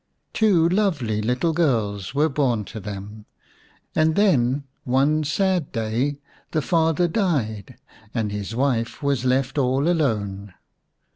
Two lovely little girls were born to them, and then, one sad day, the father died, and his wife was left all alone.